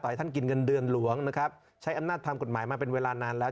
ให้ท่านกินเงินเดือนหลวงนะครับใช้อำนาจทำกฎหมายมาเป็นเวลานานแล้ว